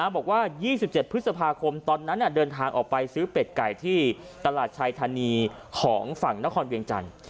บอกว่า๒๗พฤษภาคมตอนนั้นเดินทางออกไปซื้อเป็ดไก่ที่ตลาดชายธานีของฝั่งนครเวียงจันทร์